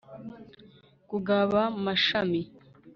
kugabaamashami